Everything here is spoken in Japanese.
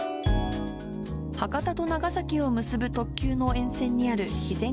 博多と長崎を結ぶ特急の沿線にある肥前